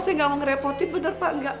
saya ga mau ngerepotin bener pak